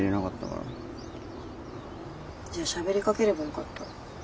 じゃあしゃべりかければよかった。